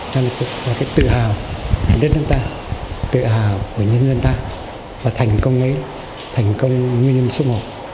cho nên là cái tự hào đất nước ta tự hào của nhân dân ta và thành công ấy thành công như nhân số một